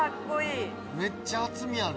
めっちゃ厚みある。